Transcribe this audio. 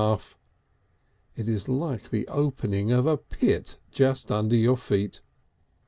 It is like the opening of a pit just under your feet!